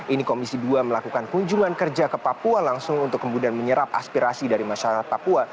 ini komisi dua melakukan kunjungan kerja ke papua langsung untuk kemudian menyerap aspirasi dari masyarakat papua